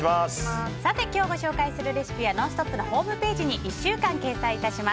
今日ご紹介するレシピは「ノンストップ！」のホームページに１週間掲載いたします。